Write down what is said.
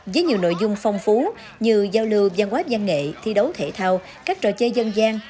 với nhiều nội dung phong phú như giao lưu văn hóa gian nghệ thi đấu thể thao các trò chơi dân gian